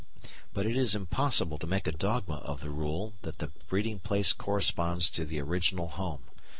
But it is impossible to make a dogma of the rule that the breeding place corresponds to the original home.